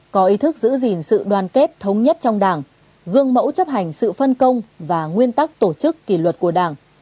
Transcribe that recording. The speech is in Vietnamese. có ý thức giữ gìn sự đoàn kết thống nhất trong đảng gương mẫu chấp hành sự phân công và nguyên tắc tổ chức kỷ luật của đảng